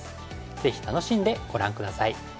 ぜひ楽しんでご覧下さい。